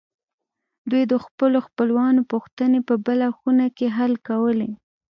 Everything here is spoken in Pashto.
دوی د خپلو خپلوانو پوښتنې په بله خونه کې حل کولې